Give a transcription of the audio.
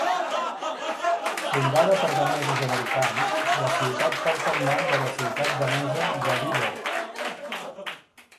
Fundada per danesos-americans, la ciutat porta el nom de la ciutat danesa de Viborg.